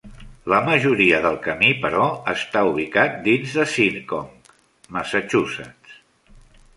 La majoria del camí, però, està ubicat dins de Seekonk (Massachusetts).